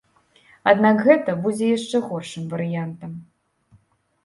Аднак гэта будзе яшчэ горшым варыянтам.